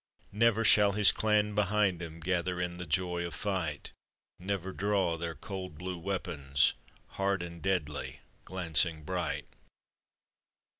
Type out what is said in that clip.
Never shall his clan behind him Gather in the joy of fight; Never draw their cold blue weapons Hard and deadly— glancing bright.